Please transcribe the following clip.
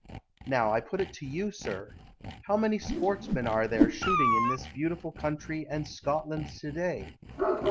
Now, I put it to you, Sir, How many sportsmen are there Shooting in this beautiful country and Scotland To day?